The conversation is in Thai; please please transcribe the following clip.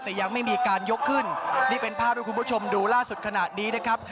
แต่ยังไม่มีการยกขึ้นนี่เป็นภาพที่คุณผู้ชมดูล่าสุดขณะนี้นะครับ